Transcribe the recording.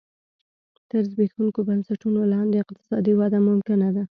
تر زبېښونکو بنسټونو لاندې اقتصادي وده ممکنه ده.